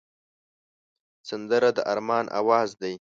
سندره د ارمان آواز دی